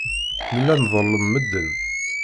Nella nḍellem medden.